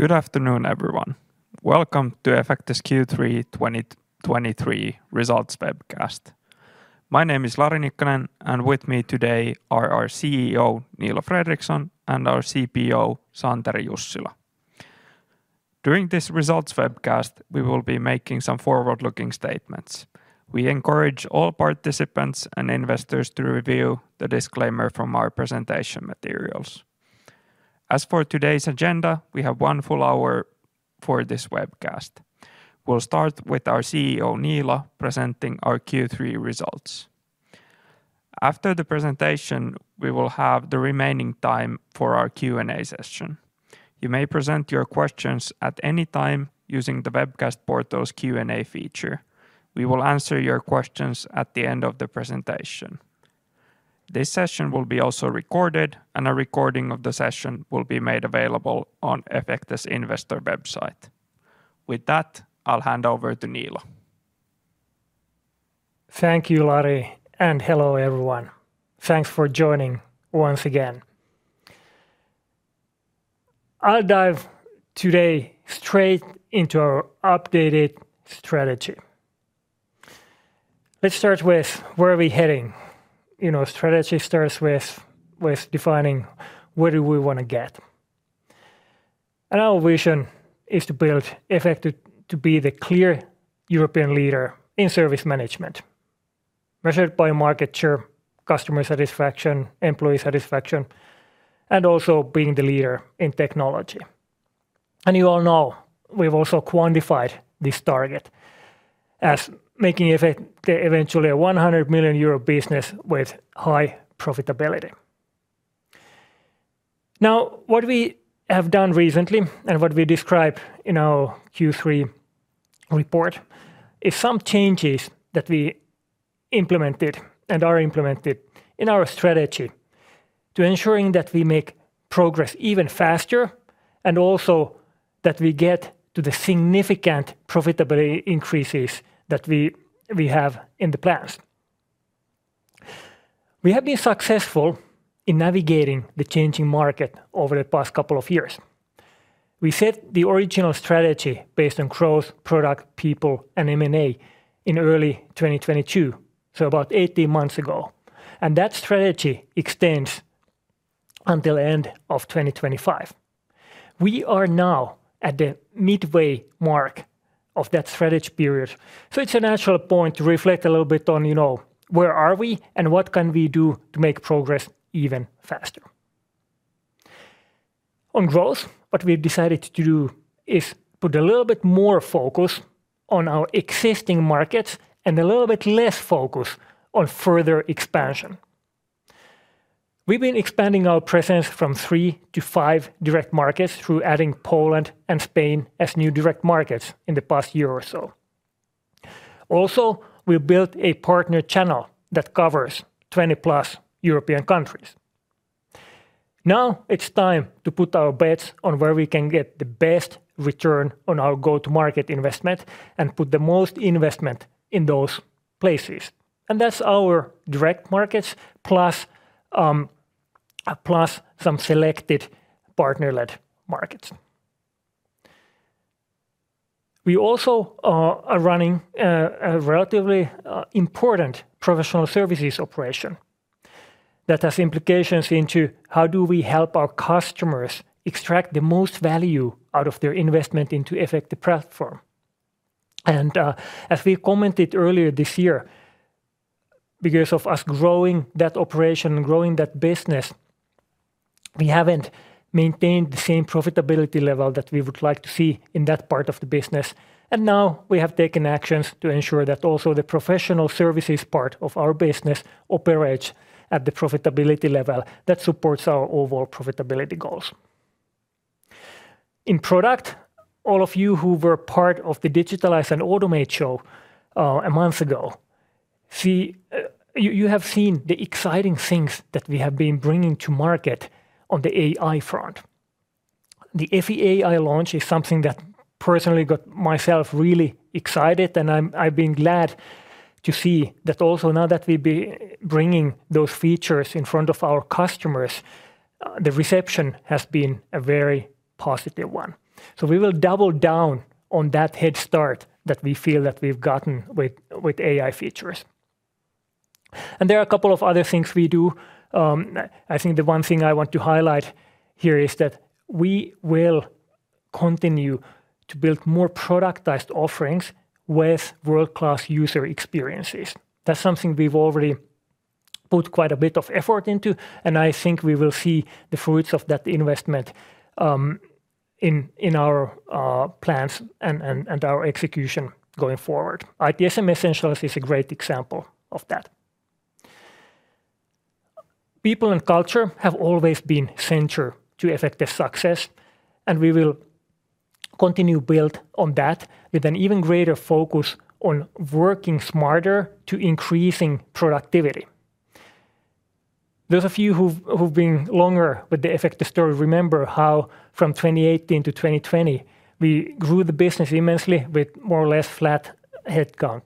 Good afternoon, everyone. Welcome to Efecte's Q3 2023 results webcast. My name is Lari Nikkanen, and with me today are our CEO, Niilo Fredrikson, and our CPO, Santeri Jussila. During this results webcast, we will be making some forward-looking statements. We encourage all participants and investors to review the disclaimer from our presentation materials. As for today's agenda, we have one full hour for this webcast. We'll start with our CEO, Niilo, presenting our Q3 results. After the presentation, we will have the remaining time for our Q&A session. You may present your questions at any time using the webcast portal's Q&A feature. We will answer your questions at the end of the presentation. This session will be also recorded, and a recording of the session will be made available on Efecte's investor website. With that, I'll hand over to Niilo. Thank you, Lari, and hello, everyone. Thanks for joining once again. I'll dive today straight into our updated strategy. Let's start with where are we heading? You know, strategy starts with defining where do we wanna get. And our vision is to build Efecte to be the clear European leader in service management, measured by market share, customer satisfaction, employee satisfaction, and also being the leader in technology. And you all know, we've also quantified this target as making Efecte eventually a 100 million euro business with high profitability. Now, what we have done recently and what we describe in our Q3 report is some changes that we implemented and are implemented in our strategy to ensuring that we make progress even faster and also that we get to the significant profitability increases that we have in the plans. We have been successful in navigating the changing market over the past couple of years. We set the original strategy based on growth, product, people, and M&A in early 2022, so about 18 months ago, and that strategy extends until end of 2025. We are now at the midway mark of that strategy period, so it's a natural point to reflect a little bit on, you know, where are we and what can we do to make progress even faster? On growth, what we've decided to do is put a little bit more focus on our existing markets and a little bit less focus on further expansion. We've been expanding our presence from three to five direct markets through adding Poland and Spain as new direct markets in the past year or so. Also, we built a partner channel that covers 20+ European countries. Now it's time to put our bets on where we can get the best return on our go-to-market investment and put the most investment in those places, and that's our direct markets plus, plus some selected partner-led markets. We also are running a relatively important professional services operation that has implications into how do we help our customers extract the most value out of their investment into Efecte Platform? And, as we commented earlier this year, because of us growing that operation and growing that business, we haven't maintained the same profitability level that we would like to see in that part of the business. And now we have taken actions to ensure that also the professional services part of our business operates at the profitability level that supports our overall profitability goals. In product, all of you who were part of the Digitalize and Automate show a month ago, see, you have seen the exciting things that we have been bringing to market on the AI front. The FAI launch is something that personally got myself really excited, and I've been glad to see that also now that we've been bringing those features in front of our customers, the reception has been a very positive one. So we will double down on that head start that we feel that we've gotten with AI features. There are a couple of other things we do. I think the one thing I want to highlight here is that we will continue to build more productized offerings with world-class user experiences. That's something we've already put quite a bit of effort into, and I think we will see the fruits of that investment in our plans and our execution going forward. ITSM Essentials is a great example of that. People and culture have always been central to Efecte's success, and we will continue build on that with an even greater focus on working smarter to increasing productivity. Those of you who've been longer with the Efecte story, remember how from 2018 to 2020, we grew the business immensely with more or less flat headcount.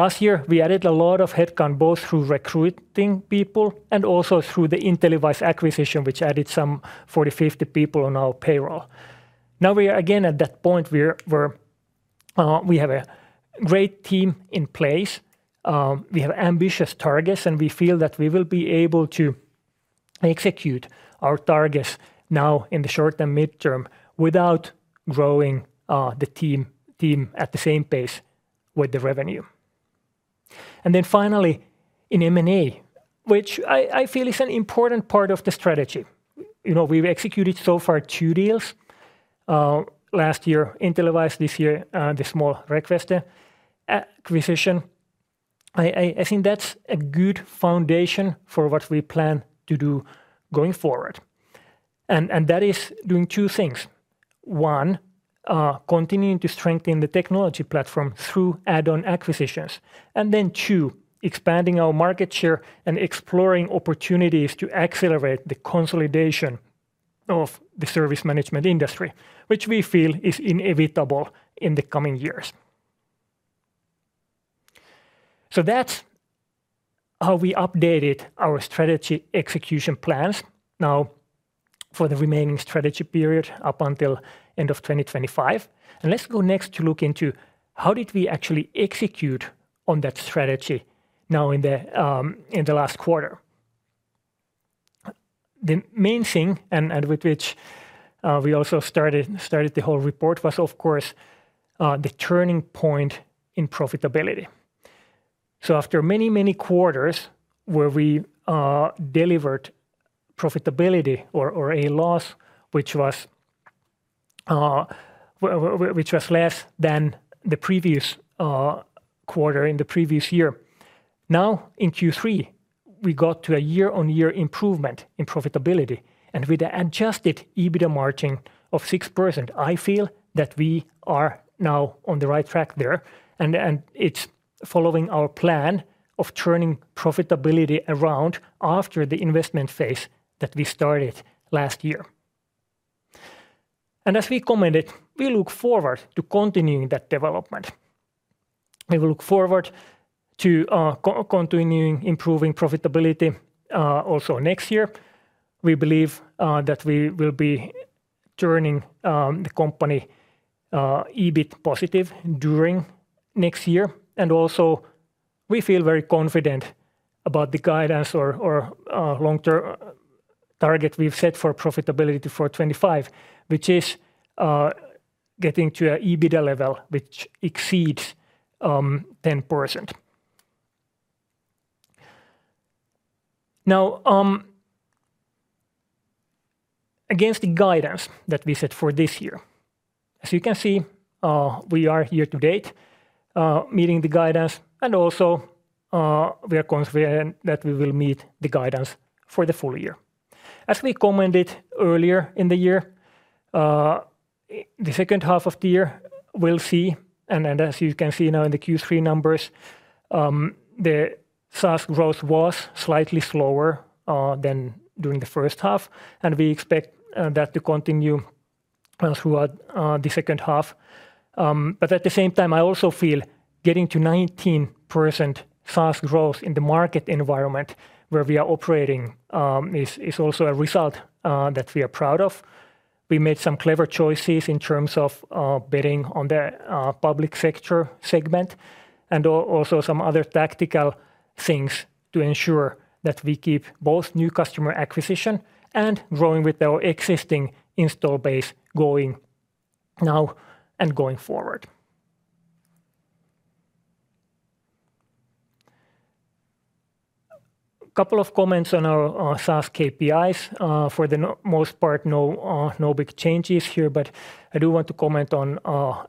Last year, we added a lot of headcount, both through recruiting people and also through the InteliWISE acquisition, which added some 40-50 people on our payroll. Now we are again at that point where we have a great team in place, we have ambitious targets, and we feel that we will be able to execute our targets now in the short and midterm without growing the team at the same pace with the revenue. And then finally, in M&A, which I feel is an important part of the strategy. You know, we've executed so far two deals. Last year, InteliWISE, this year, the small Requester acquisition. I think that's a good foundation for what we plan to do going forward, and that is doing two things: One, continuing to strengthen the technology platform through add-on acquisitions. And then, two, expanding our market share and exploring opportunities to accelerate the consolidation of the service management industry, which we feel is inevitable in the coming years. So that's how we updated our strategy execution plans now for the remaining strategy period up until end of 2025. And let's go next to look into how did we actually execute on that strategy now in the last quarter? The main thing, and with which we also started the whole report, was of course the turning point in profitability. So after many, many quarters where we delivered profitability or a loss, which was less than the previous quarter in the previous year. Now, in Q3, we got to a year-on-year improvement in profitability, and with an adjusted EBITDA margin of 6%, I feel that we are now on the right track there, and it's following our plan of turning profitability around after the investment phase that we started last year. As we commented, we look forward to continuing that development. We will look forward to continuing improving profitability also next year. We believe that we will be turning the company EBIT positive during next year, and also, we feel very confident about the guidance or long-term target we've set for profitability for 25, which is getting to an EBITDA level which exceeds 10%. Now, against the guidance that we set for this year, as you can see, we are here to date, meeting the guidance, and also, we are confident that we will meet the guidance for the full year. As we commented earlier in the year, the second half of the year, we'll see, and, and as you can see now in the Q3 numbers, the SaaS growth was slightly slower, than during the first half, and we expect, that to continue, throughout, the second half. But at the same time, I also feel getting to 19% SaaS growth in the market environment where we are operating, is, is also a result, that we are proud of. We made some clever choices in terms of betting on the public sector segment and also some other tactical things to ensure that we keep both new customer acquisition and growing with our existing install base going now and going forward. A couple of comments on our SaaS KPIs. For the most part, no big changes here, but I do want to comment on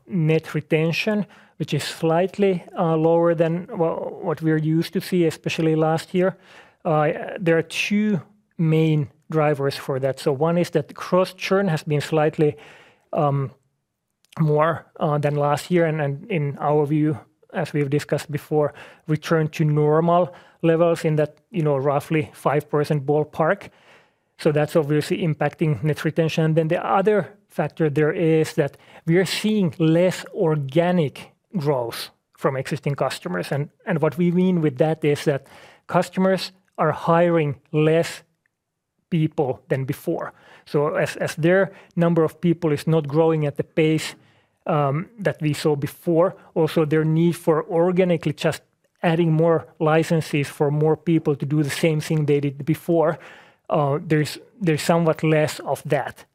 net retention, which is slightly lower than what we are used to see, especially last year. There are two main drivers for that. So one is that the gross churn has been slightly more than last year, and then in our view, as we've discussed before, returned to normal levels in that, you know, roughly 5% ballpark. So that's obviously impacting net retention. Then the other factor there is that we are seeing less organic growth from existing customers, and what we mean with that is that customers are hiring less people than before. So as their number of people is not growing at the pace that we saw before, also their need for organically just adding more licenses for more people to do the same thing they did before, there's somewhat less of that.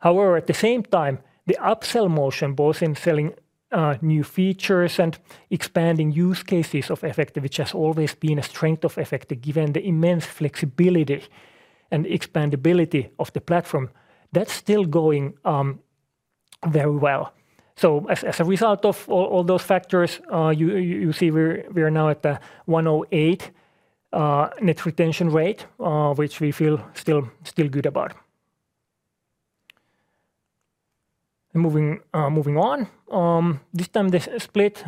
However, at the same time, the upsell motion, both in selling new features and expanding use cases of Efecte, which has always been a strength of Efecte, given the immense flexibility and expandability of the platform, that's still going very well. So as a result of all those factors, you see we're now at the 108% net retention rate, which we feel still good about. Moving on. This time, this split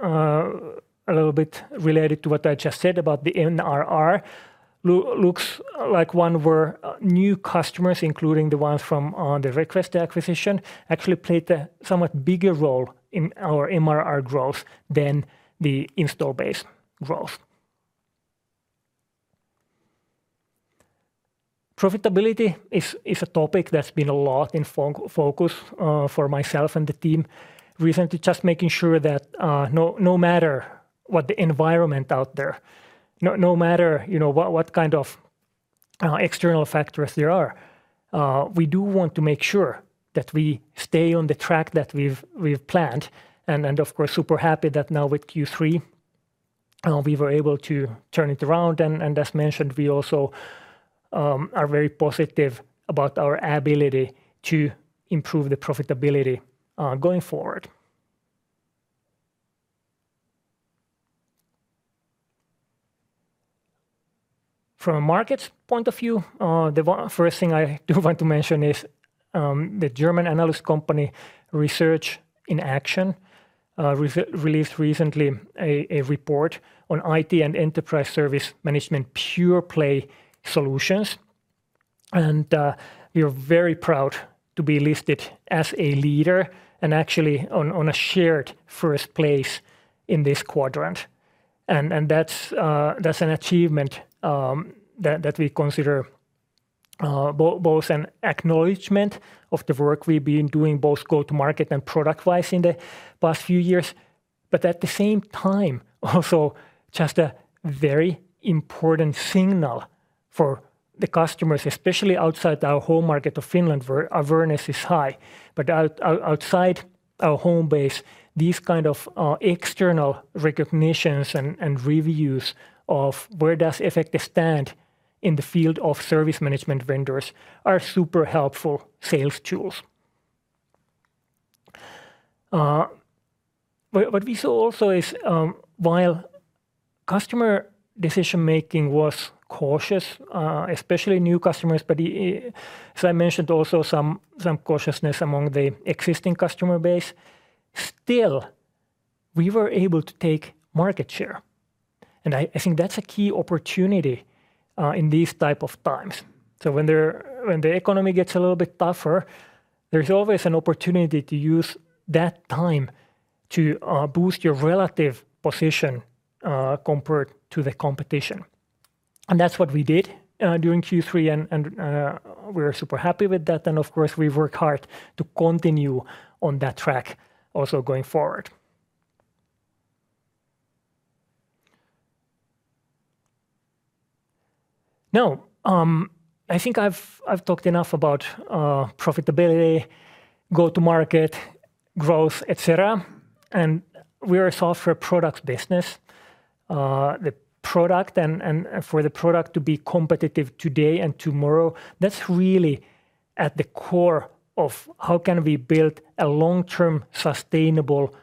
a little bit related to what I just said about the NRR. Looks like one where new customers, including the ones from the Requester acquisition, actually played a somewhat bigger role in our MRR growth than the install base growth. Profitability is a topic that's been a lot in focus for myself and the team recently, just making sure that no matter what the environment out there, no matter you know what kind of external factors there are, we do want to make sure that we stay on the track that we've planned. And of course, super happy that now with Q3 we were able to turn it around, and as mentioned, we also are very positive about our ability to improve the profitability going forward. From a market point of view, the first thing I do want to mention is the German analyst company Research in Action released recently a report on IT and enterprise service management pure-play solutions. And we are very proud to be listed as a leader and actually on a shared first place in this quadrant. And that's an achievement that we consider both an acknowledgement of the work we've been doing, both go-to-market and product-wise in the past few years, but at the same time, also just a very important signal for the customers, especially outside our home market of Finland, where awareness is high. But outside our home base, these kind of external recognitions and reviews of where does Efecte stand in the field of service management vendors are super helpful sales tools. What we saw also is, while customer decision-making was cautious, especially new customers, but, as I mentioned, also some cautiousness among the existing customer base, still, we were able to take market share, and I think that's a key opportunity, in these type of times. So when the economy gets a little bit tougher, there's always an opportunity to use that time to boost your relative position, compared to the competition. And that's what we did, during Q3, and we're super happy with that, and of course, we work hard to continue on that track also going forward. Now, I think I've talked enough about profitability, go-to-market, growth, et cetera, and we are a software product business. The product and for the product to be competitive today and tomorrow, that's really at the core of how can we build a long-term, sustainable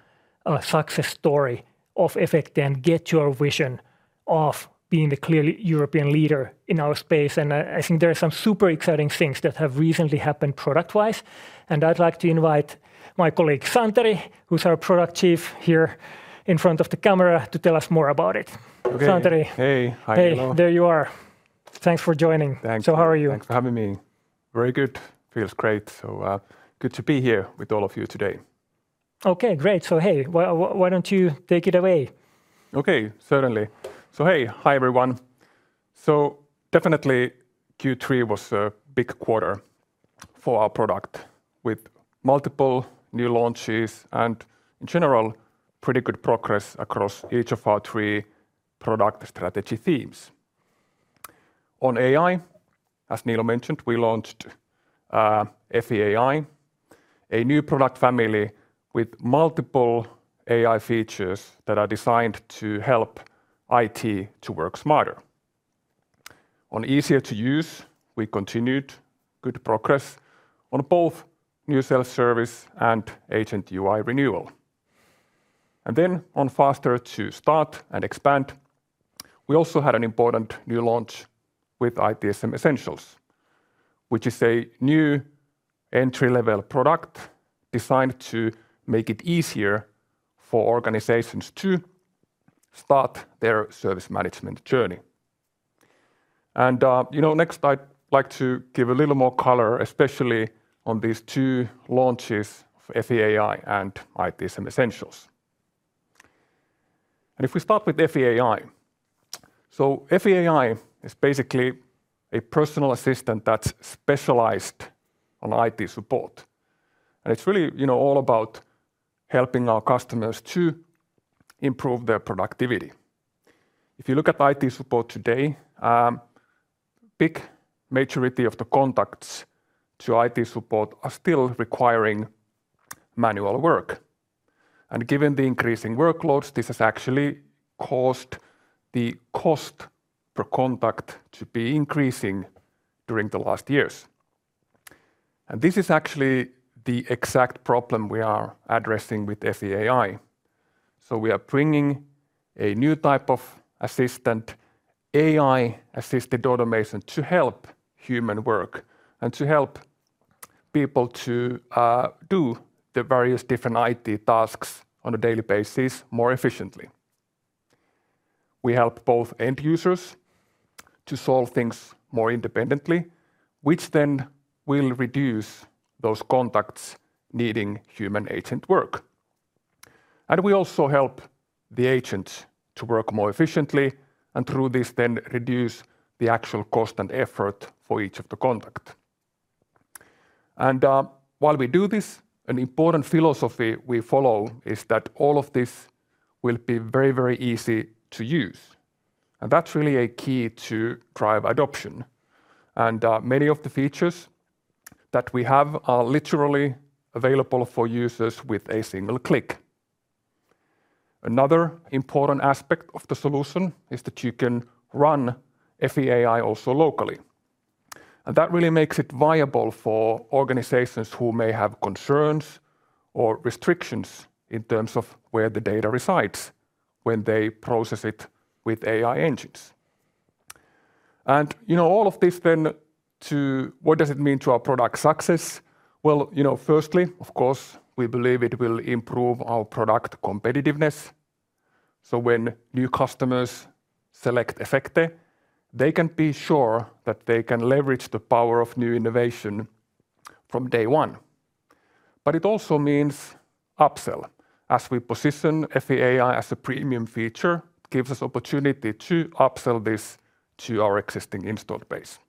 success story of Efecte and get your vision of being the clear European leader in our space. And I think there are some super exciting things that have recently happened product-wise, and I'd like to invite my colleague, Santeri, who's our product chief here in front of the camera, to tell us more about it. Okay. Santeri? Hey. Hi, Niilo. Hey, there you are. Thanks for joining. Thanks. How are you? Thanks for having me. Very good. Feels great. Good to be here with all of you today. Okay, great. So, hey, why, why don't you take it away? Okay, certainly. So, hey. Hi, everyone. So definitely, Q3 was a big quarter for our product, with multiple new launches and in general, pretty good progress across each of our three product strategy themes. On AI, as Niilo mentioned, we launched FAI, a new product family with multiple AI features that are designed to help IT to work smarter. On easier to use, we continued good progress on both new self-service and agent UI renewal. And then on faster to start and expand, we also had an important new launch with ITSM Essentials, which is a new entry-level product designed to make it easier for organizations to start their service management journey. And you know, next, I'd like to give a little more color, especially on these two launches of FAI and ITSM Essentials. If we start with FAI, so FAI is basically a personal assistant that's specialized on IT support, and it's really, you know, all about helping our customers to improve their productivity. If you look at IT support today, big majority of the contacts to IT support are still requiring manual work, and given the increasing workloads, this has actually caused the cost per contact to be increasing during the last years. This is actually the exact problem we are addressing with FAI. We are bringing a new type of assistant, AI-assisted automation, to help human work and to help people to do the various different IT tasks on a daily basis more efficiently. We help both end users to solve things more independently, which then will reduce those contacts needing human agent work. And we also help the agent to work more efficiently, and through this, then reduce the actual cost and effort for each of the contact. While we do this, an important philosophy we follow is that all of this will be very, very easy to use, and that's really a key to drive adoption. Many of the features that we have are literally available for users with a single click. Another important aspect of the solution is that you can run FAI also locally, and that really makes it viable for organizations who may have concerns or restrictions in terms of where the data resides when they process it with AI engines. You know, all of this. What does it mean to our product success? Well, you know, firstly, of course, we believe it will improve our product competitiveness. So when new customers select Efecte, they can be sure that they can leverage the power of new innovation from day one. But it also means upsell. As we position FAI as a premium feature, gives us opportunity to upsell this to our existing installed base.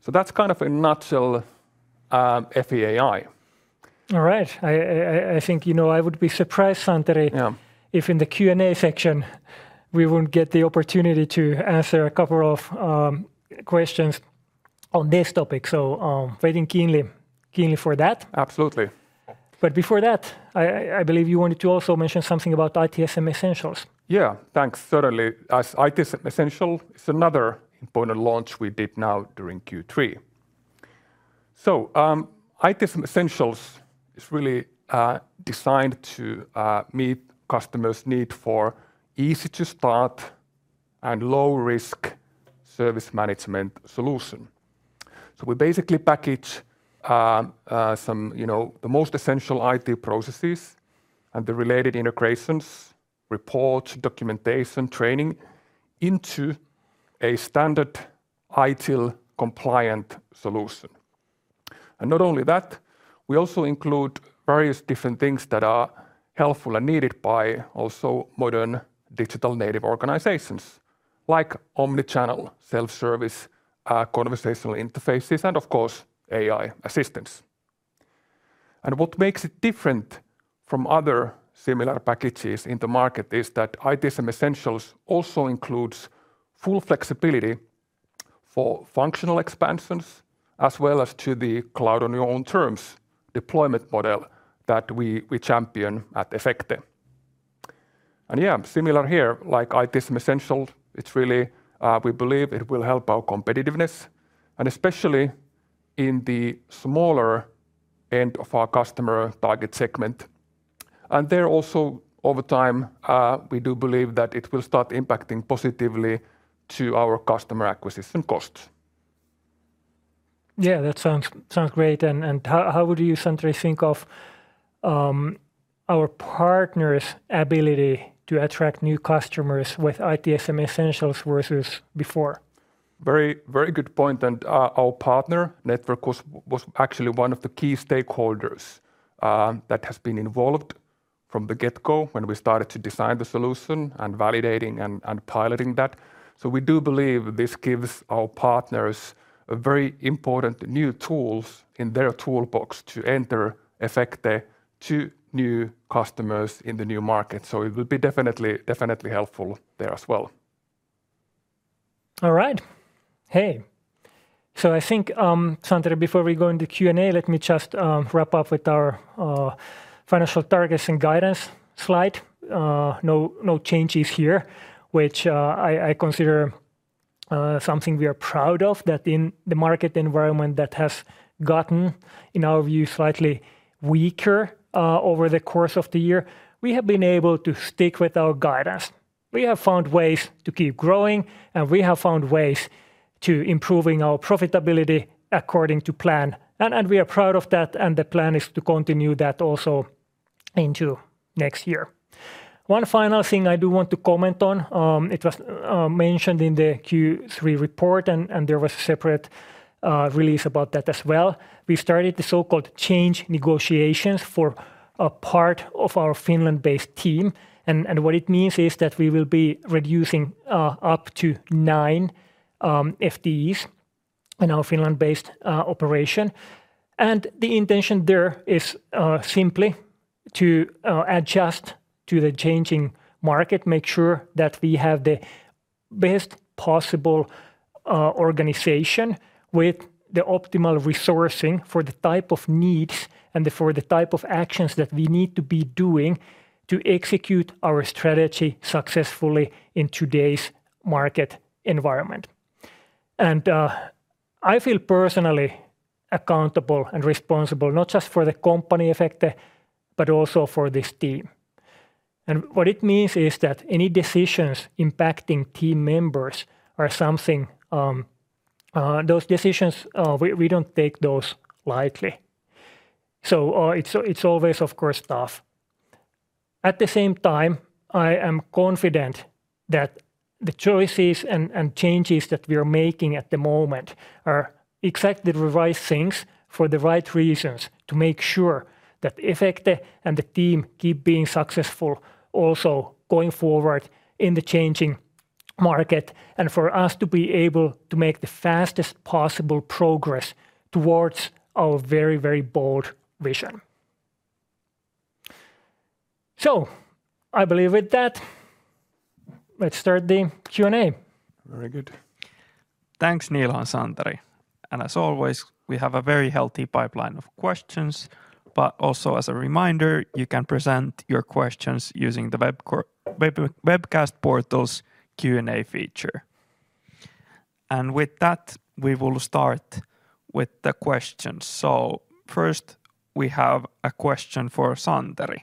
So that's kind of a nutshell, FAI. All right. I think, you know, I would be surprised, Santeri- Yeah ... if in the Q&A section, we won't get the opportunity to answer a couple of questions on this topic, so waiting keenly, keenly for that. Absolutely. But before that, I believe you wanted to also mention something about ITSM Essentials. Yeah, thanks. Certainly. As ITSM Essentials, it's another important launch we did now during Q3. So, ITSM Essentials is really designed to meet customers' need for easy to start and low-risk service management solution. So we basically package some, you know, the most essential IT processes and the related integrations, reports, documentation, training into a standard ITIL-compliant solution. And not only that, we also include various different things that are helpful and needed by also modern digital native organizations, like omni-channel, self-service, conversational interfaces, and of course, AI assistance. And what makes it different from other similar packages in the market is that ITSM Essentials also includes full flexibility for functional expansions, as well as to the cloud on your own terms deployment model that we champion at Efecte. Yeah, similar here, like ITSM Essentials, it's really, we believe it will help our competitiveness, and especially in the smaller end of our customer target segment. There also, over time, we do believe that it will start impacting positively to our customer acquisition costs. Yeah, that sounds great. And how would you, Santeri, think of our partner's ability to attract new customers with ITSM Essentials versus before? Very, very good point, and our partner network was actually one of the key stakeholders that has been involved from the get-go when we started to design the solution and validating and piloting that. So we do believe this gives our partners a very important new tools in their toolbox to enter Efecte to new customers in the new market. So it will be definitely, definitely helpful there as well. All right. Hey, so I think, Santeri, before we go into Q&A, let me just wrap up with our financial targets and guidance slide. No, no changes here, which I, I consider something we are proud of, that in the market environment that has gotten, in our view, slightly weaker over the course of the year, we have been able to stick with our guidance. We have found ways to keep growing, and we have found ways to improving our profitability according to plan. And, and we are proud of that, and the plan is to continue that also into next year. One final thing I do want to comment on, it was mentioned in the Q3 report, and, and there was a separate release about that as well. We started the so-called change negotiations for a part of our Finland-based team, and what it means is that we will be reducing up to nine FTEs in our Finland-based operation. And the intention there is simply to adjust to the changing market, make sure that we have the best possible organization with the optimal resourcing for the type of needs and for the type of actions that we need to be doing to execute our strategy successfully in today's market environment. And I feel personally accountable and responsible, not just for the company Efecte, but also for this team... And what it means is that any decisions impacting team members are something, those decisions, we don't take those lightly. So, it's always, of course, tough. At the same time, I am confident that the choices and changes that we are making at the moment are exactly the right things for the right reasons to make sure that Efecte and the team keep being successful also going forward in the changing market, and for us to be able to make the fastest possible progress towards our very, very bold vision. So I believe with that, let's start the Q&A. Very good. Thanks, Niilo and Santeri. And as always, we have a very healthy pipeline of questions, but also as a reminder, you can present your questions using the webcast portal's Q&A feature. And with that, we will start with the questions. So first, we have a question for Santeri.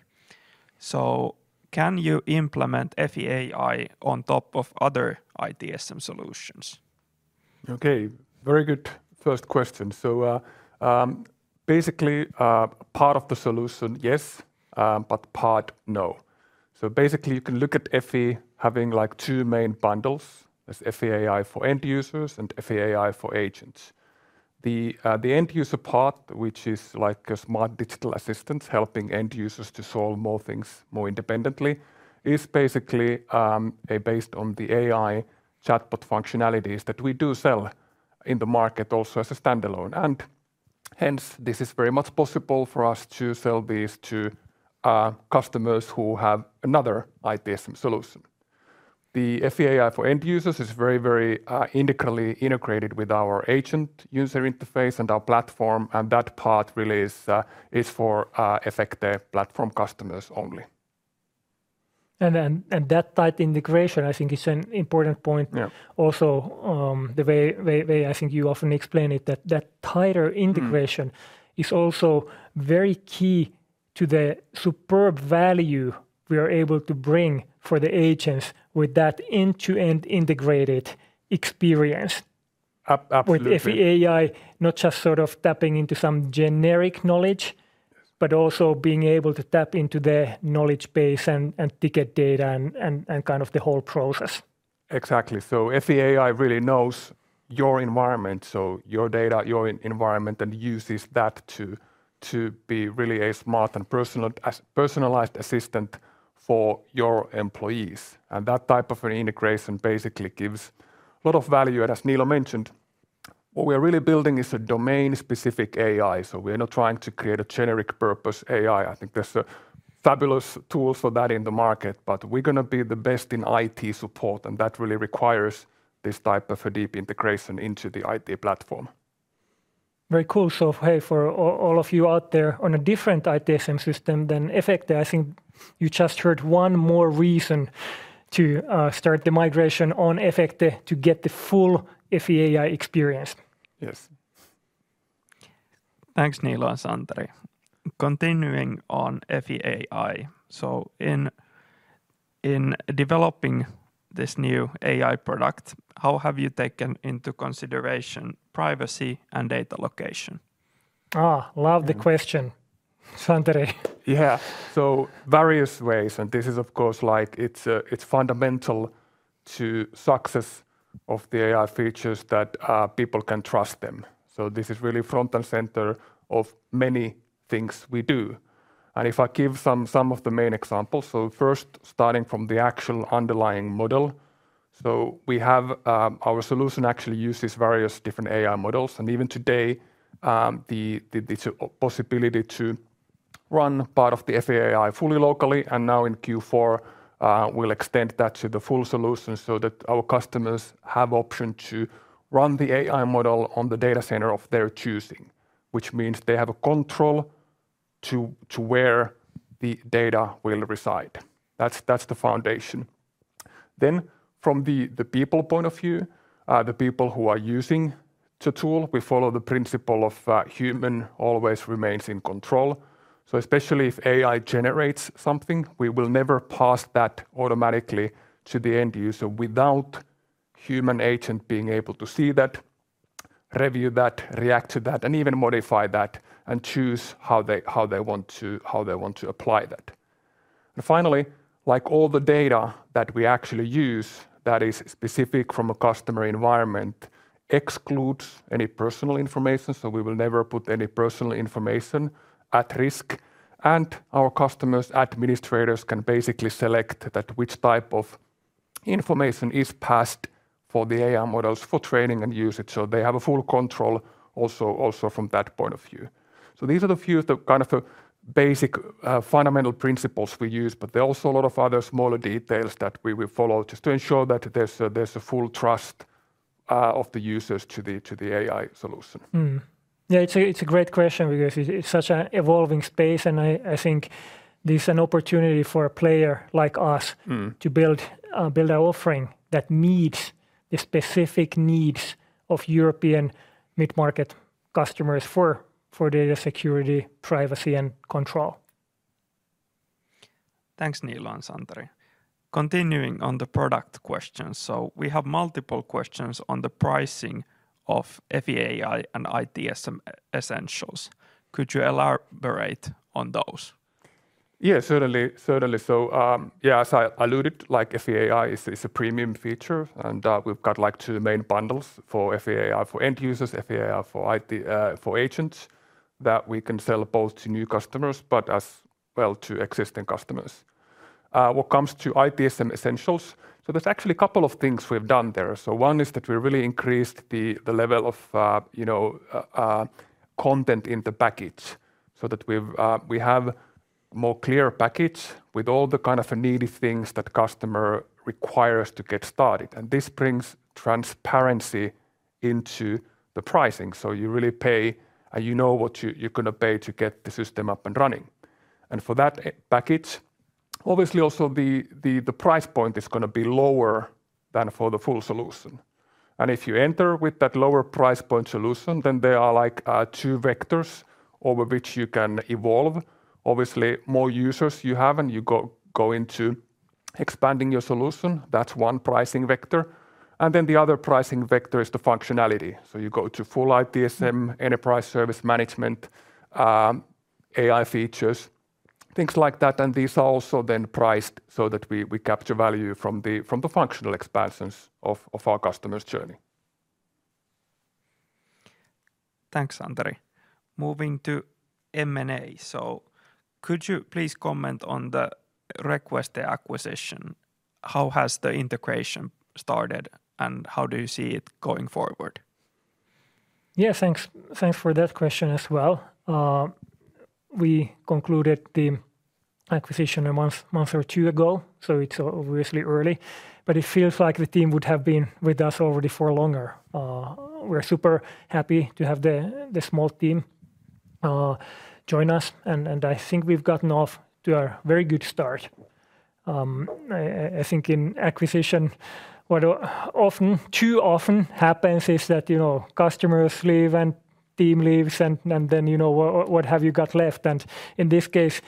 So can you implement FAI on top of other ITSM solutions? Okay, very good first question. So, basically, part of the solution, yes, but part, no. So basically, you can look at Efecte having, like, two main bundles: FAI for end users and FAI for agents. The end user part, which is like a smart digital assistant, helping end users to solve more things more independently, is basically based on the AI chatbot functionalities that we do sell in the market also as a standalone. And hence, this is very much possible for us to sell these to customers who have another ITSM solution. The FAI for end users is very, very intricately integrated with our agent user interface and our platform, and that part really is for Efecte platform customers only. that type integration, I think, is an important point. Yeah... also, the way I think you often explain it, that tighter integration- Mm... is also very key to the superb value we are able to bring for the agents with that end-to-end integrated experience. Ab- absolutely. With FAI, not just sort of tapping into some generic knowledge- Yes... but also being able to tap into the knowledge base and ticket data and kind of the whole process. Exactly. So FAI really knows your environment, so your data, your environment, and uses that to be really a smart and personalized assistant for your employees. And that type of an integration basically gives a lot of value. And as Niilo mentioned, what we are really building is a domain-specific AI, so we are not trying to create a generic purpose AI. I think there's a fabulous tool for that in the market, but we're gonna be the best in IT support, and that really requires this type of a deep integration into the IT platform. Very cool. So hey, for all, all of you out there on a different ITSM system than Efecte, I think you just heard one more reason to start the migration on Efecte to get the full FAI experience. Yes. Thanks, Niilo and Santeri. Continuing on FAI, so in developing this new AI product, how have you taken into consideration privacy and data location? Ah, love the question, Santeri. Yeah. So various ways, and this is, of course, like it's, it's fundamental to success of the AI features that people can trust them. So this is really front and center of many things we do. And if I give some of the main examples, so first, starting from the actual underlying model. So we have, our solution actually uses various different AI models, and even today, the possibility to run part of the FAI fully locally, and now in Q4, we'll extend that to the full solution so that our customers have option to run the AI model on the data center of their choosing, which means they have a control to where the data will reside. That's the foundation. Then from the people point of view, the people who are using the tool, we follow the principle of, human always remains in control. So especially if AI generates something, we will never pass that automatically to the end user without human agent being able to see that, review that, react to that, and even modify that, and choose how they, how they want to, how they want to apply that. And finally, like all the data that we actually use, that is specific from a customer environment, excludes any personal information, so we will never put any personal information at risk, and our customers' administrators can basically select that which type of information is passed for the AI models for training and usage. So they have a full control also, also from that point of view. These are the few, the kind of the basic, fundamental principles we use, but there are also a lot of other smaller details that we will follow just to ensure that there's a full trust of the users to the AI solution. Mm-hmm. Yeah, it's a great question because it's such an evolving space, and I think this is an opportunity for a player like us- Mm... to build an offering that meets the specific needs of European mid-market customers for data security, privacy, and control. Thanks, Niilo and Santeri. Continuing on the product questions, so we have multiple questions on the pricing of FAI and ITSM Essentials. Could you elaborate on those? Yeah, certainly, certainly. So, yeah, as I alluded, like FAI is a premium feature, and we've got, like, two main bundles for FAI: for end users, FAI for IT, for agents, that we can sell both to new customers, but as well to existing customers. When it comes to ITSM Essentials, so there's actually a couple of things we've done there. So one is that we really increased the level of, you know, content in the package so that we've we have more clear package with all the kind of needy things that customer requires to get started, and this brings transparency into the pricing. So you really pay, and you know what you, you're gonna pay to get the system up and running. And for that E-package, obviously, also the price point is gonna be lower than for the full solution. And if you enter with that lower price point solution, then there are, like, two vectors over which you can evolve. Obviously, more users you have, and you go into expanding your solution. That's one pricing vector. And then the other pricing vector is the functionality. So you go to full ITSM Enterprise Service Management, AI features, things like that, and these are also then priced so that we capture value from the functional expansions of our customer's journey. Thanks, Santeri. Moving to M&A. So could you please comment on the Requester, the acquisition? How has the integration started, and how do you see it going forward? Yeah, thanks. Thanks for that question as well. We concluded the acquisition a month, month or two ago, so it's obviously early, but it feels like the team would have been with us already for longer. We're super happy to have the, the small team join us, and I think we've gotten off to a very good start. I think in acquisition, what often, too often happens is that, you know, customers leave, and team leaves, and then, you know, what have you got left? And in this case,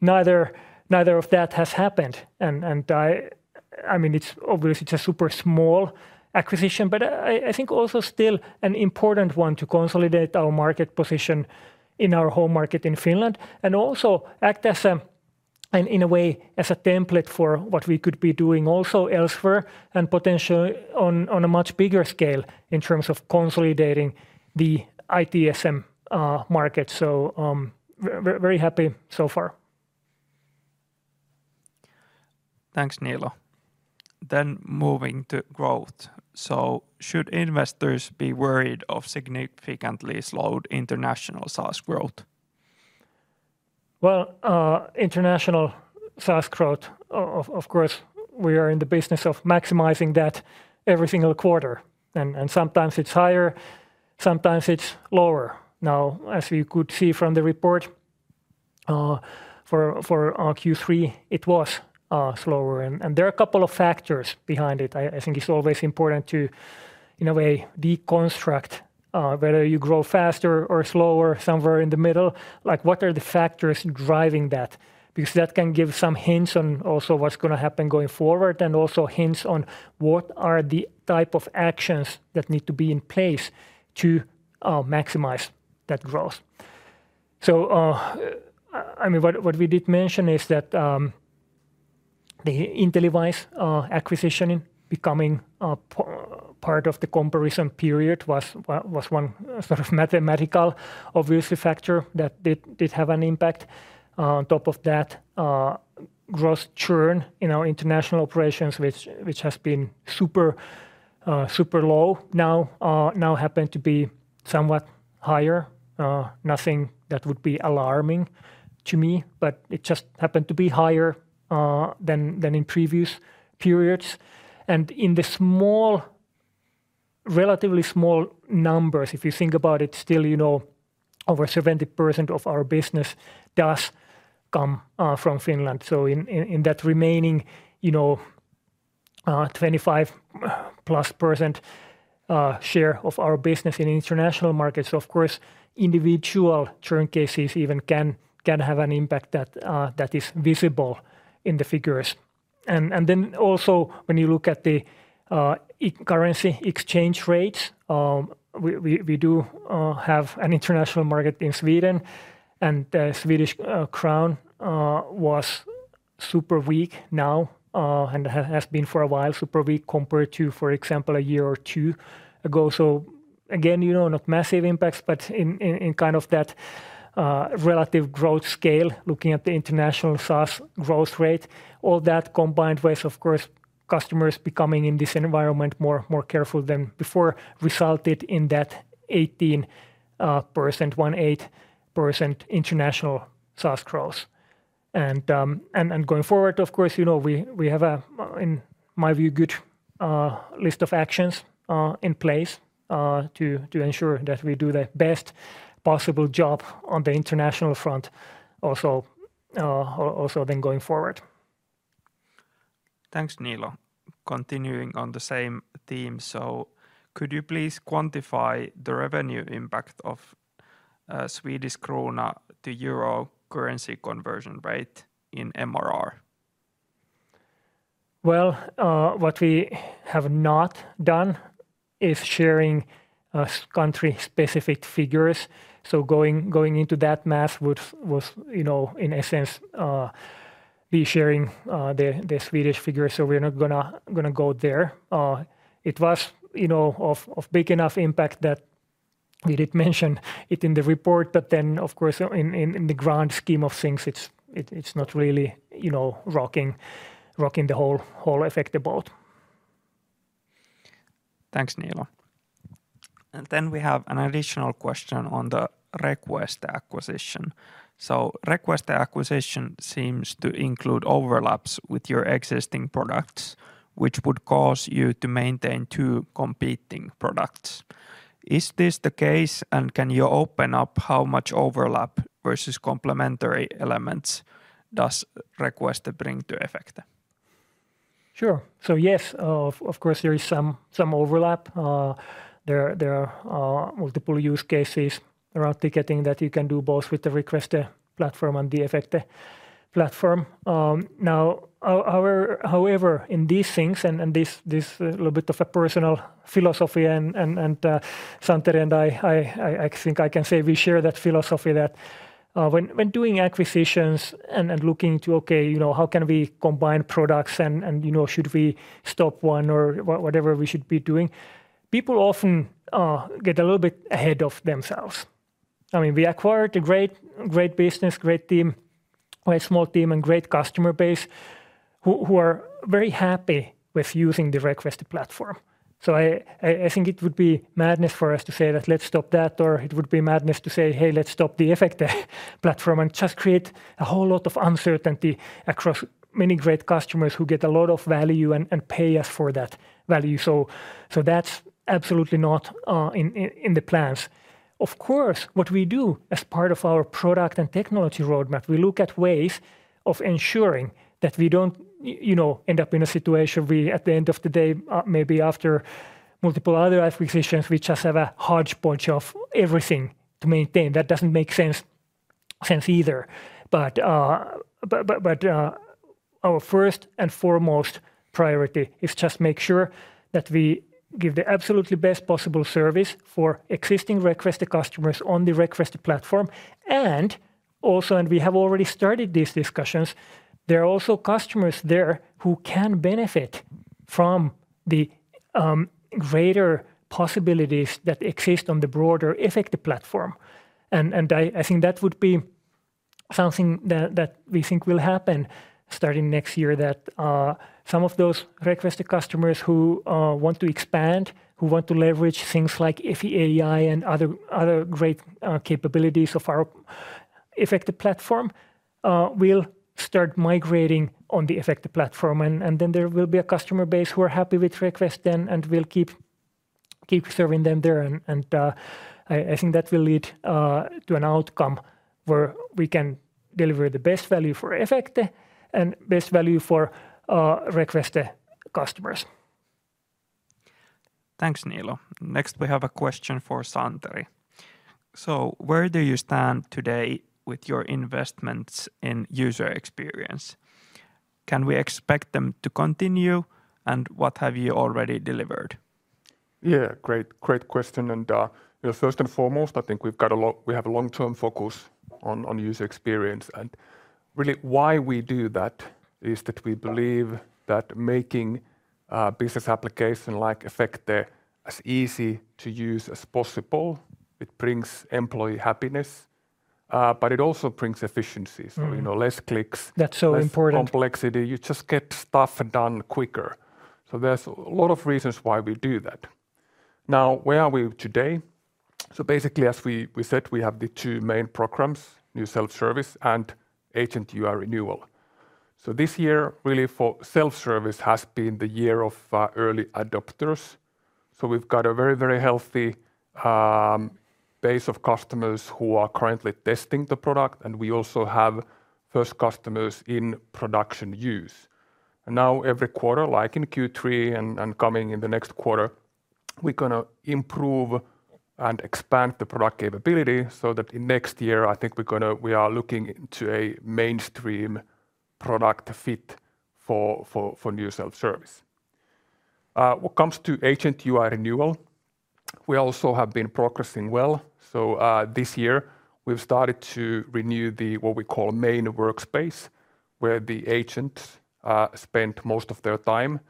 neither, neither of that has happened. And I... I mean, it's obviously it's a super small acquisition, but I think also still an important one to consolidate our market position in our home market in Finland, and also act as, in a way, as a template for what we could be doing also elsewhere and potentially on a much bigger scale in terms of consolidating the ITSM market. So, very happy so far. Thanks, Niilo. Moving to growth. Should investors be worried of significantly slowed international SaaS growth? Well, international SaaS growth, of course, we are in the business of maximizing that every single quarter, and sometimes it's higher, sometimes it's lower. Now, as you could see from the report, for Q3, it was slower, and there are a couple of factors behind it. I think it's always important to, in a way, deconstruct whether you grow faster or slower, somewhere in the middle. Like, what are the factors driving that? Because that can give some hints on also what's gonna happen going forward and also hints on what are the type of actions that need to be in place to maximize that growth. So, I mean, what we did mention is that the InteliWISE acquisition becoming a part of the comparison period was one sort of mathematical obvious factor that did have an impact. On top of that, growth churn in our international operations, which has been super low now, happened to be somewhat higher. Nothing that would be alarming to me, but it just happened to be higher than in previous periods. And in the small, relatively small numbers, if you think about it, still, you know, over 70% of our business does come from Finland. So in that remaining, you know, 25 plus percent share of our business in international markets, of course, individual churn cases even can have an impact that is visible in the figures. And then also when you look at the currency exchange rates, we do have an international market in Sweden, and the Swedish krona was super weak now and has been for a while, super weak, compared to, for example, a year or two ago. So again, you know, not massive impacts, but in kind of that relative growth scale, looking at the international SaaS growth rate, all that combined with, of course, customers becoming in this environment more careful than before, resulted in that 18%, 18% international SaaS growth. Going forward, of course, you know, we have, in my view, a good list of actions in place to ensure that we do the best possible job on the international front also then going forward. Thanks, Niilo. Continuing on the same theme: so could you please quantify the revenue impact of Swedish krona to euro currency conversion rate in MRR? Well, what we have not done is sharing country-specific figures, so going into that math would, you know, in a sense, be sharing the Swedish figures, so we're not gonna go there. It was, you know, of big enough impact that we did mention it in the report, but then, of course, in the grand scheme of things, it's not really, you know, rocking the whole Efecte boat. Thanks, Niilo. And then we have an additional question on the Requester acquisition. So Requester acquisition seems to include overlaps with your existing products, which would cause you to maintain two competing products. Is this the case, and can you open up how much overlap versus complementary elements does Requester bring to Efecte? Sure. So yes, of course, there is some overlap. There are multiple use cases around ticketing that you can do both with the Requester platform and the Efecte platform. Now, however, in these things and this little bit of a personal philosophy and Santeri and I think I can say we share that philosophy that when doing acquisitions and looking to, okay, you know, how can we combine products and, you know, should we stop one or whatever we should be doing? People often get a little bit ahead of themselves. I mean, we acquired a great business, great team, quite small team, and great customer base who are very happy with using the Requester platform. So I think it would be madness for us to say that let's stop that, or it would be madness to say, "Hey, let's stop the Efecte platform," and just create a whole lot of uncertainty across many great customers who get a lot of value and pay us for that value. So that's absolutely not in the plans. Of course, what we do as part of our product and technology roadmap, we look at ways of ensuring that we don't, you know, end up in a situation where at the end of the day, maybe after multiple other acquisitions, we just have a hodgepodge of everything to maintain. That doesn't make sense either. But our first and foremost priority is just make sure that we give the absolutely best possible service for existing Requester customers on the Requester platform. And also, we have already started these discussions; there are also customers there who can benefit from the greater possibilities that exist on the broader Efecte platform. And I think that would be something that we think will happen starting next year, that some of those Requester customers who want to expand, who want to leverage things like Effie AI and other great capabilities of our Efecte platform, will start migrating on the Efecte platform. And then there will be a customer base who are happy with Requester, and we'll keep serving them there. I think that will lead to an outcome where we can deliver the best value for Efecte and best value for Requester customers. Thanks, Niilo. Next, we have a question for Santeri. So where do you stand today with your investments in user experience? Can we expect them to continue, and what have you already delivered? Yeah, great, great question, and first and foremost, I think we've got a lot... We have a long-term focus on user experience, and really why we do that is that we believe that making a business application like Efecte as easy to use as possible, it brings employee happiness, but it also brings efficiency. Mm. So, you know, less clicks- That's so important.... less complexity. You just get stuff done quicker. So there's a lot of reasons why we do that. Now, where are we today? So basically, as we said, we have the two main programs: new self-service and agent UI renewal. So this year, really for self-service, has been the year of early adopters. So we've got a very, very healthy base of customers who are currently testing the product, and we also have first customers in production use. And now every quarter, like in Q3 and coming in the next quarter, we're gonna improve and expand the product capability so that in next year, I think we're gonna - we are looking into a mainstream product fit for new self-service. When it comes to agent UI renewal, we also have been progressing well. So, this year, we've started to renew what we call the main workspace, where the agents spend most of their time.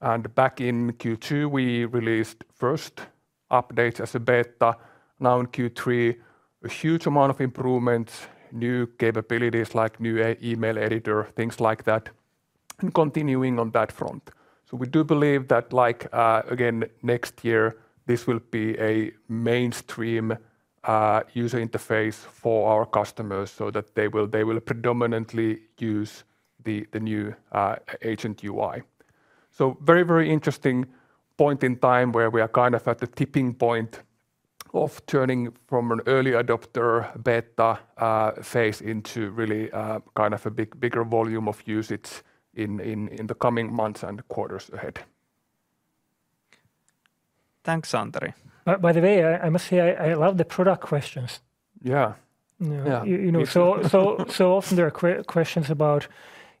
And back in Q2, we released first updates as a beta. Now in Q3, a huge amount of improvements, new capabilities like new email editor, things like that, and continuing on that front. So we do believe that, like, again, next year, this will be a mainstream user interface for our customers, so that they will predominantly use the new agent UI. So very, very interesting point in time where we are kind of at the tipping point of turning from an early adopter beta phase into really kind of a big, bigger volume of usage in the coming months and quarters ahead. Thanks, Santeri. By the way, I must say, I love the product questions. Yeah. Yeah. Yeah. You know, so often there are questions about,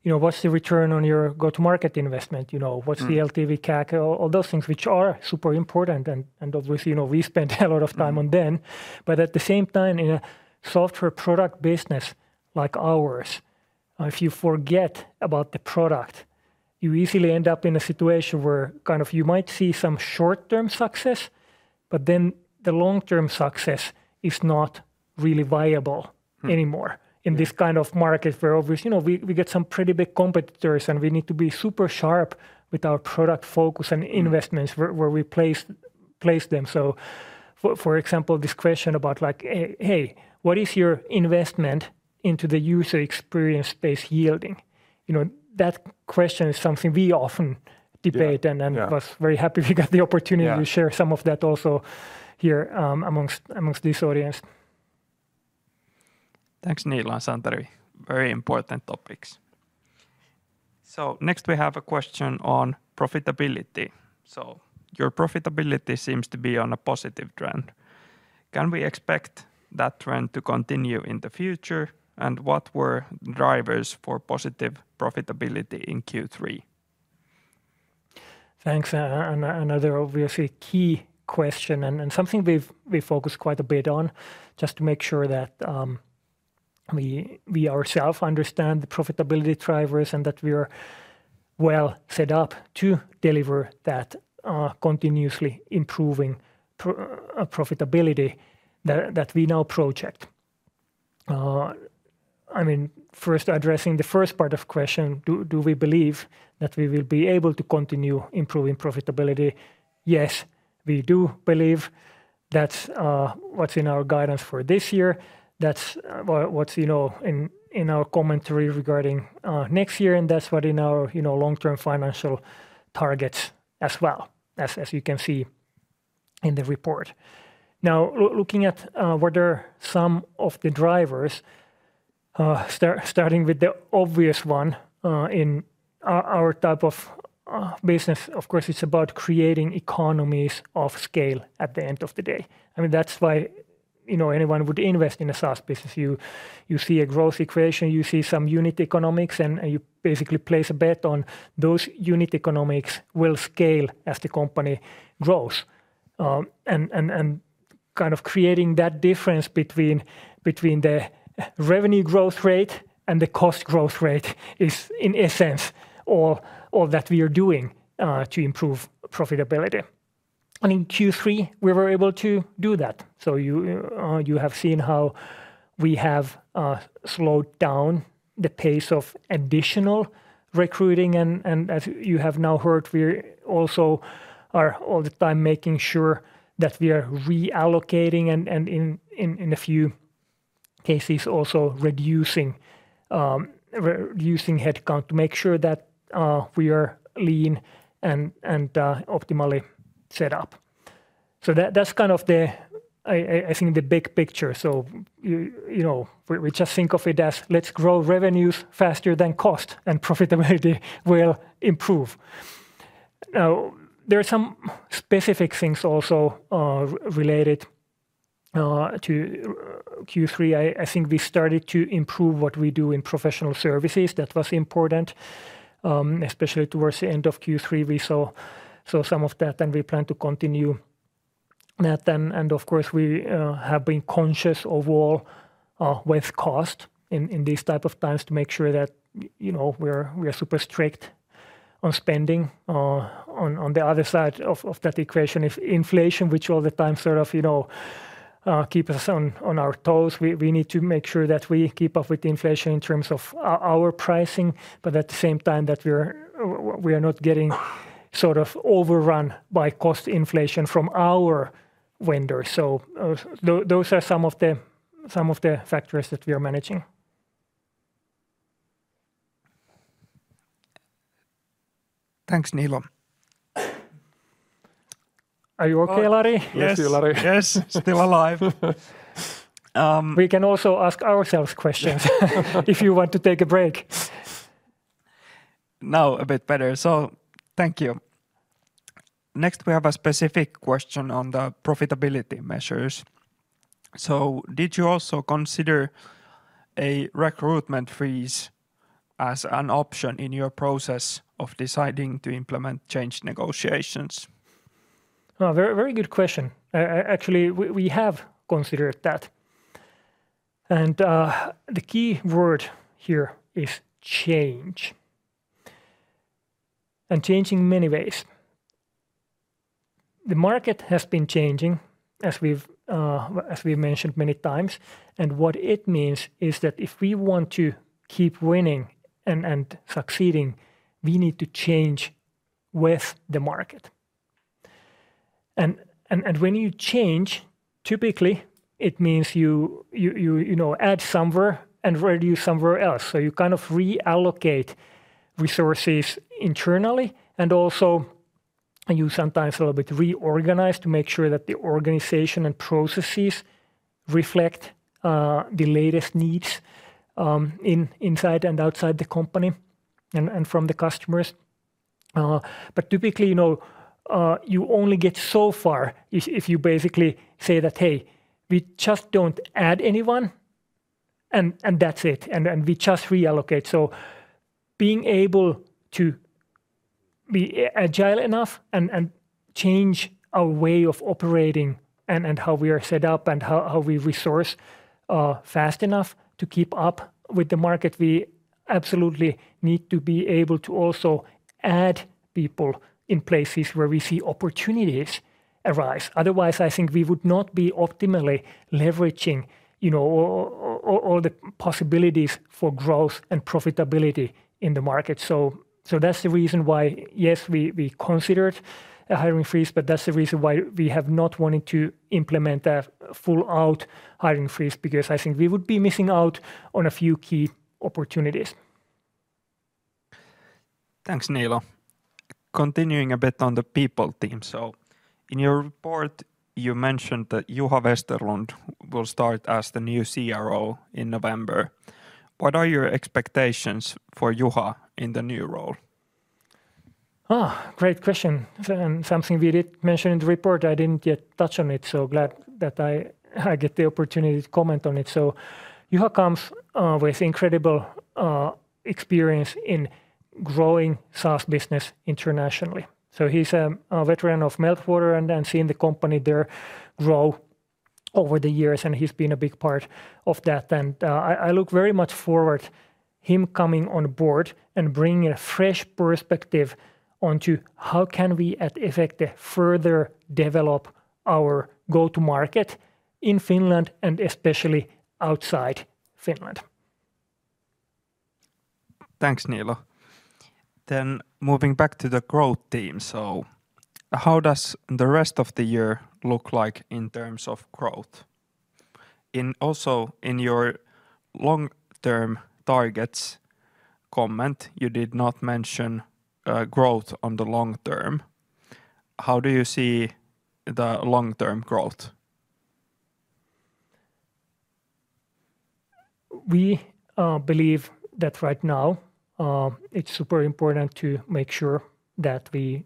you know, what's the return on your go-to-market investment? You know- Mm... what's the LTV CAC, all, all those things which are super important, and, and obviously, you know, we spend a lot of time on them. Mm. But at the same time, in a software product business like ours, if you forget about the product, you easily end up in a situation where kind of you might see some short-term success, but then the long-term success is not really viable- Mm... anymore. Yeah. In this kind of market where, obviously, you know, we, we get some pretty big competitors, and we need to be super sharp with our product focus and investments- Mm... where we place them. So for example, this question about like, "Eh, hey, what is your investment into the user experience space yielding?" You know, that question is something we often debate- Yeah, yeah... and was very happy we got the opportunity- Yeah... to share some of that also here, among this audience. Thanks, Niilo and Santeri. Very important topics. So next, we have a question on profitability. So your profitability seems to be on a positive trend. Can we expect that trend to continue in the future, and what were drivers for positive profitability in Q3? Thanks. And another, obviously, key question and, and something we've focused quite a bit on, just to make sure that, we ourselves understand the profitability drivers and that we are well set up to deliver that, continuously improving profitability that we now project. I mean, first addressing the first part of question, do we believe that we will be able to continue improving profitability? Yes, we do believe that's what's in our guidance for this year. That's what, you know, in our commentary regarding next year, and that's what in our, you know, long-term financial targets as well, as you can see in the report. Now, looking at what are some of the drivers, starting with the obvious one, in our type of business, of course, it's about creating economies of scale at the end of the day. I mean, that's why, you know, anyone would invest in a SaaS business. You see a growth equation, you see some unit economics, and you basically place a bet on those unit economics will scale as the company grows. And kind of creating that difference between the revenue growth rate and the cost growth rate is, in essence, all that we are doing to improve profitability. And in Q3, we were able to do that. So you have seen how we have slowed down the pace of additional recruiting, and as you have now heard, we're also all the time making sure that we are reallocating and in a few cases also reducing headcount to make sure that we are lean and optimally set up. So that's kind of the, I think, the big picture. So you know, we just think of it as, let's grow revenues faster than cost, and profitability will improve. Now, there are some specific things also related to Q3. I think we started to improve what we do in professional services. That was important. Especially towards the end of Q3, we saw some of that, and we plan to continue that then. And of course, we have been conscious overall with cost in these type of times to make sure that you know, we're, we are super strict on spending. On the other side of that equation is inflation, which all the time sort of you know keeps us on our toes. We need to make sure that we keep up with inflation in terms of our pricing, but at the same time, that we're we are not getting sort of overrun by cost inflation from our vendors. So those are some of the factors that we are managing. Thanks, Niilo. Are you okay, Lari? Yes. Miss you, Lari. Yes, still alive. We can also ask ourselves questions... if you want to take a break. Now, a bit better. So, thank you. Next, we have a specific question on the profitability measures. So did you also consider a recruitment freeze as an option in your process of deciding to implement change negotiations? Oh, very, very good question. Actually, we have considered that, and the key word here is change, and change in many ways. The market has been changing, as we've mentioned many times, and what it means is that if we want to keep winning and succeeding, we need to change with the market. And when you change, typically, it means you know, add somewhere and reduce somewhere else. So you kind of reallocate resources internally, and also you sometimes a little bit reorganize to make sure that the organization and processes reflect the latest needs inside and outside the company and from the customers. But typically, you know, you only get so far if you basically say that, "Hey, we just don't add anyone, and that's it, and we just reallocate." So being able to be agile enough and change our way of operating and how we are set up, and how we resource fast enough to keep up with the market, we absolutely need to be able to also add people in places where we see opportunities arise. Otherwise, I think we would not be optimally leveraging, you know, all the possibilities for growth and profitability in the market. So that's the reason why, yes, we considered a hiring freeze, but that's the reason why we have not wanted to implement a full-out hiring freeze, because I think we would be missing out on a few key opportunities. Thanks, Niilo. Continuing a bit on the people team, so in your report, you mentioned that Juha Westerlund will start as the new CRO in November. What are your expectations for Juha in the new role? Ah, great question, and something we did mention in the report. I didn't yet touch on it, so glad that I get the opportunity to comment on it. So Juha comes with incredible experience in growing SaaS business internationally. So he's a veteran of Meltwater and seen the company there grow over the years, and he's been a big part of that. And I look very much forward him coming on board and bringing a fresh perspective onto how can we at Efecte further develop our go-to market in Finland and especially outside Finland. Thanks, Niilo. Then moving back to the growth team, so how does the rest of the year look like in terms of growth? Also, in your long-term targets comment, you did not mention growth on the long term. How do you see the long-term growth? We believe that right now it's super important to make sure that we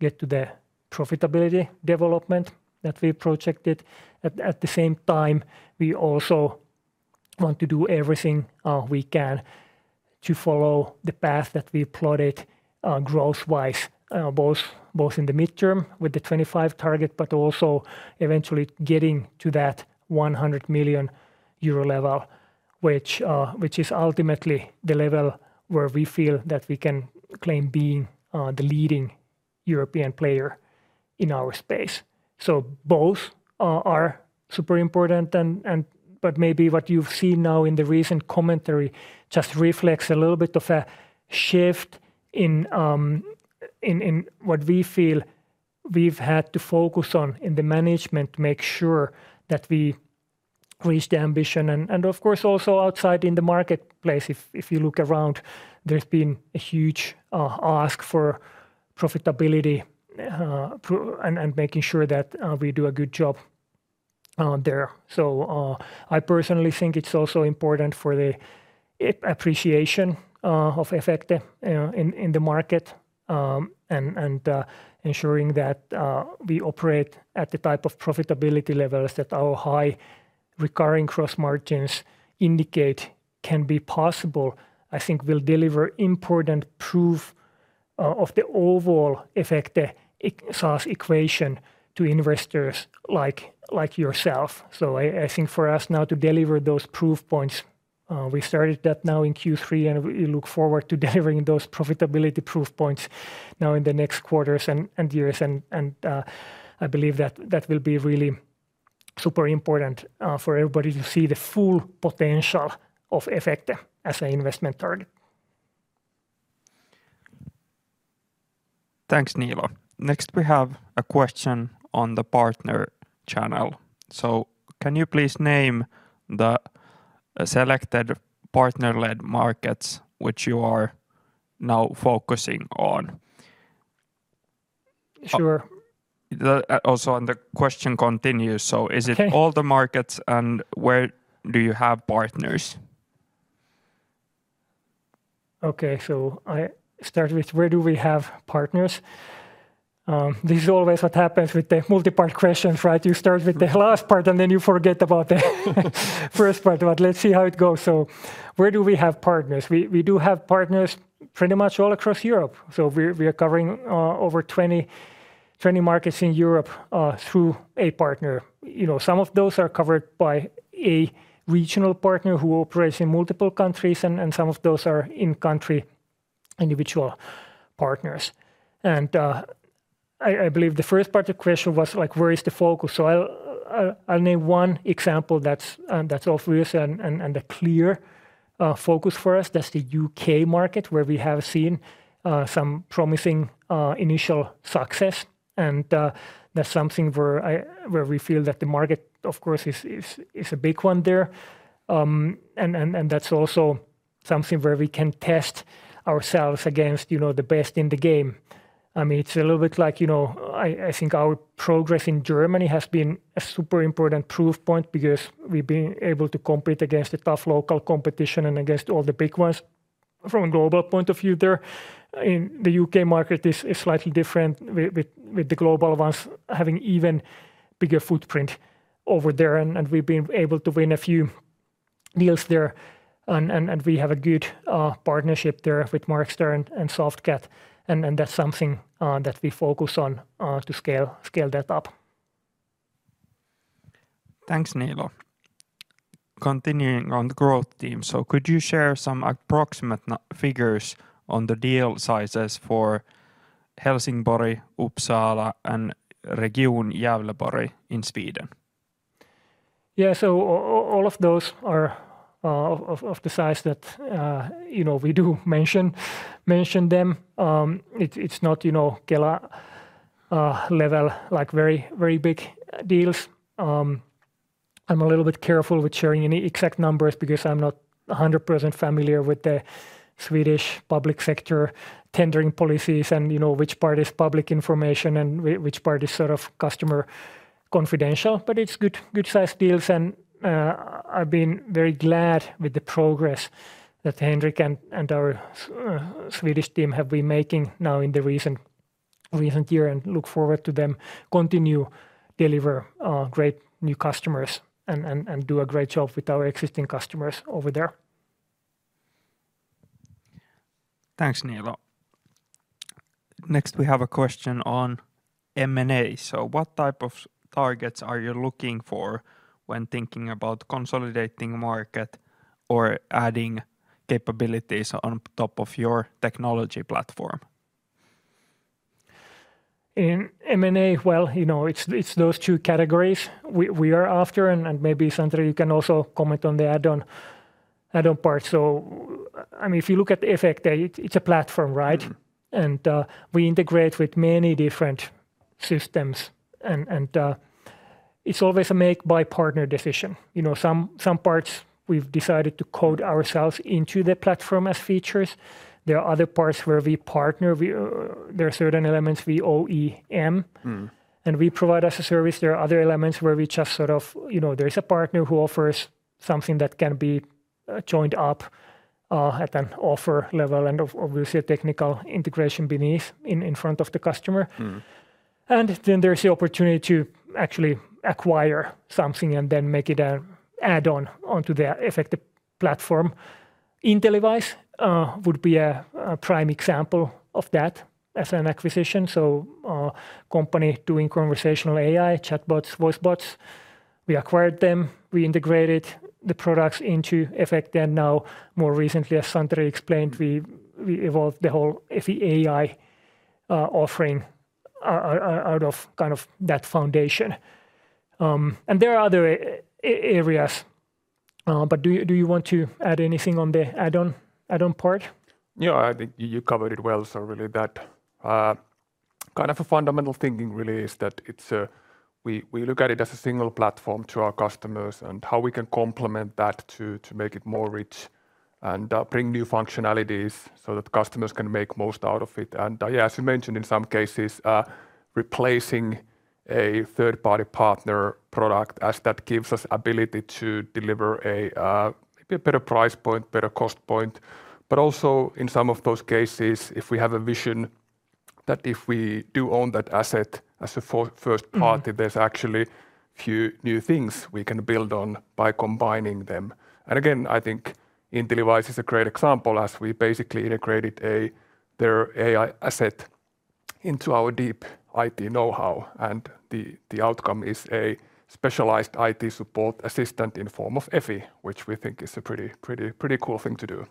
get to the profitability development that we projected. At the same time, we also want to do everything we can to follow the path that we plotted growth-wise both in the midterm with the 25 target, but also eventually getting to that 100 million euro level, which is ultimately the level where we feel that we can claim being the leading European player in our space. So both are super important and. But maybe what you've seen now in the recent commentary just reflects a little bit of a shift in what we feel we've had to focus on in the management to make sure that we reach the ambition. Of course, also outside in the marketplace, if you look around, there's been a huge ask for profitability, and making sure that we do a good job there. So, I personally think it's also important for the appreciation of Efecte in the market, and ensuring that we operate at the type of profitability levels that our high recurring cross margins indicate can be possible. I think will deliver important proof of the overall Efecte SaaS equation to investors like yourself. So I think for us now to deliver those proof points, we started that now in Q3, and we look forward to delivering those profitability proof points now in the next quarters and years. I believe that that will be really super important for everybody to see the full potential of Efecte as an investment target. Thanks, Niilo. Next, we have a question on the partner channel. So can you please name the selected partner-led markets which you are now focusing on? Sure. Also, and the question continues, so- Okay... is it all the markets, and where do you have partners? Okay, so I start with where do we have partners? This is always what happens with the multi-part questions, right? You start with the last part, and then you forget about the first part, but let's see how it goes. So where do we have partners? We do have partners pretty much all across Europe, so we're covering over 20 markets in Europe through a partner. You know, some of those are covered by a regional partner who operates in multiple countries, and some of those are in-country individual partners. I believe the first part of the question was, like, where is the focus? So I'll name one example that's obvious and a clear focus for us. That's the U.K. market, where we have seen some promising initial success. And, that's something where we feel that the market, of course, is a big one there. And that's also something where we can test ourselves against, you know, the best in the game. I mean, it's a little bit like, you know, I think our progress in Germany has been a super important proof point, because we've been able to compete against the tough local competition and against all the big ones from a global point of view there. In the UK market, this is slightly different with the global ones having even bigger footprint over there, and we've been able to win a few deals there. And we have a good partnership there with MarXtar and Softcat, and that's something that we focus on to scale that up. Thanks, Niilo. Continuing on the growth team: so could you share some approximate figures on the deal sizes for Helsingborg, Uppsala, and Region Gävleborg in Sweden? Yeah. So all of those are of the size that you know we do mention them. It's not you know Kela level like very very big deals. I'm a little bit careful with sharing any exact numbers because I'm not 100% familiar with the Swedish public sector tendering policies and you know which part is public information and which part is sort of customer confidential. But it's good size deals and I've been very glad with the progress that Hendrik and our Swedish team have been making now in the recent year and look forward to them continue deliver great new customers and do a great job with our existing customers over there. Thanks, Niilo. Next, we have a question on M&A. So what type of targets are you looking for when thinking about consolidating market or adding capabilities on top of your technology platform? In M&A, well, you know, it's, it's those two categories we, we are after, and, and maybe, Santeri, you can also comment on the add-on, add-on part. So I- I mean, if you look at Efecte, it, it's a platform, right? Mm-hmm. We integrate with many different systems, and it's always a make by partner decision. You know, some parts we've decided to code ourselves into the platform as features. There are other parts where we partner. There are certain elements we OEM. Mm. We provide as a service. There are other elements where we just sort of, you know, there's a partner who offers something that can be joined up at an offer level and obviously, a technical integration beneath in, in front of the customer. Mm-hmm. And then there's the opportunity to actually acquire something and then make it an add-on onto the Efecte platform. InteliWISE would be a prime example of that as an acquisition. So, company doing conversational AI, chatbots, voice bots, we acquired them, we integrated the products into Efecte, and now, more recently, as Santeri explained, we evolved the whole Effie AI offering out of kind of that foundation. And there are other areas, but do you want to add anything on the add-on, add-on part? Yeah, I think you covered it well. So really that kind of a fundamental thinking really is that it's we look at it as a single platform to our customers and how we can complement that to make it more rich and bring new functionalities so that customers can make most out of it. And yeah, as you mentioned, in some cases replacing a third-party partner product, as that gives us ability to deliver a maybe a better price point, better cost point. But also, in some of those cases, if we have a vision that if we do own that asset as a first party- Mm... there's actually few new things we can build on by combining them. And again, I think InteliWISE is a great example, as we basically integrated their AI asset into our deep IT know-how, and the outcome is a specialized IT support assistant in form of Effie, which we think is a pretty, pretty, pretty cool thing to do.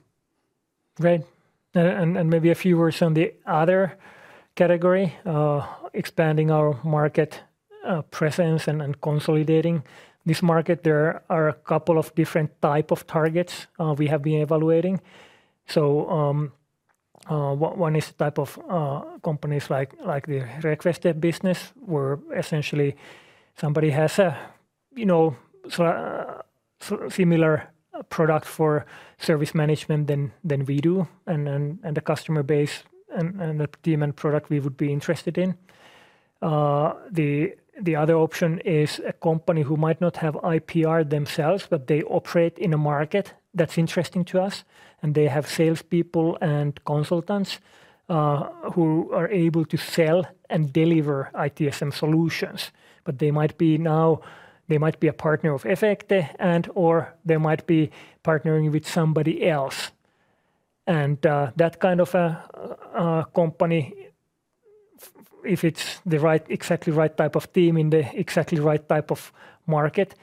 Right. And maybe a few words on the other category, expanding our market presence and consolidating this market. There are a couple of different type of targets we have been evaluating. So, one is type of companies like the Requester business, where essentially somebody has a, you know, so a similar product for service management than we do, and a customer base and a demand product we would be interested in. The other option is a company who might not have IPR themselves, but they operate in a market that's interesting to us, and they have salespeople and consultants who are able to sell and deliver ITSM solutions. But they might be a partner of Efecte, and/or they might be partnering with somebody else. That kind of a company, if it's the exactly right type of team in the exactly right type of market,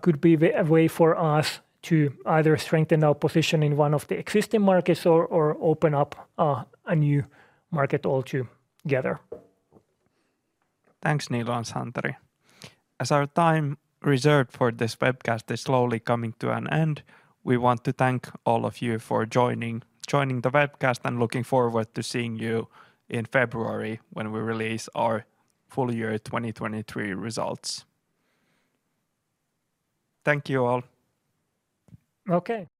could be a way for us to either strengthen our position in one of the existing markets or open up a new market altogether. Thanks, Niilo and Santeri. As our time reserved for this webcast is slowly coming to an end, we want to thank all of you for joining, joining the webcast, and looking forward to seeing you in February when we release our full year 2023 results. Thank you, all. Okay.